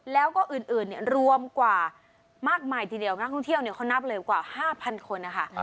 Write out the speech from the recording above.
แล้วก็อื่นรวมกว่ามากมายทีเดียวนักท่องเที่ยวเขานับเลยกว่า๕๐๐คนนะคะ